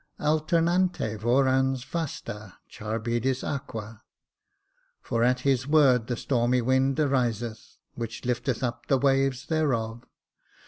—* Altertiante vorans vasta Charybdis aqua^ —* For at his word the stormy wind ariseth, which lifteth up the waves thereof.'